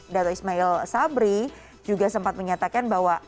dato ismail sabri juga sempat menyatakan bahwa